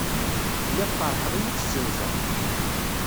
Lliɣ feṛḥeɣ imi i tt-zzenzeɣ.